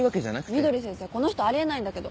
みどり先生この人あり得ないんだけど。